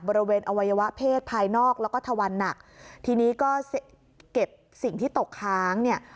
บริเวณอวัยวะเพศภายนอกแล้วก็ทะวันหนักทีนี้ก็เก็บสิ่งที่ตกค้างเนี่ย